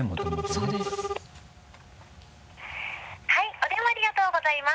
はいお電話ありがとうございます。